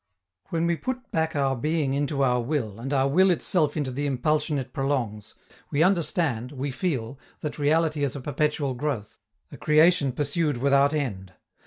When we put back our being into our will, and our will itself into the impulsion it prolongs, we understand, we feel, that reality is a perpetual growth, a creation pursued without end.